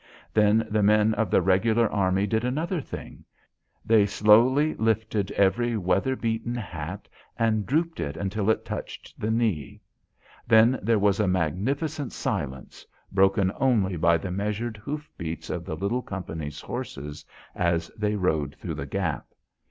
Then the men of the regular army did another thing. They slowly lifted every weather beaten hat and drooped it until it touched the knee. Then there was a magnificent silence, broken only by the measured hoof beats of the little company's horses as they rode through the gap.